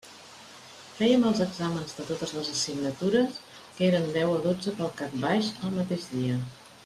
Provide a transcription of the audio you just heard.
Fèiem els exàmens de totes les assignatures, que eren deu o dotze pel cap baix, el mateix dia.